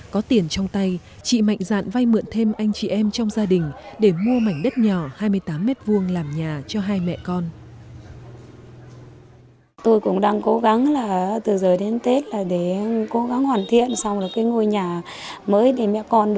có tiền trong tay chị mạnh dạn vay mượn thêm anh chị em trong gia đình để mua mảnh đất nhỏ hai mươi tám m hai làm nhà cho hai mẹ con